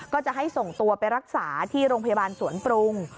ก็จะให้ส่งตัวไปรักษาที่โรงพยาบาลสวนปรุง